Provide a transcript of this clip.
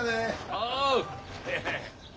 おう？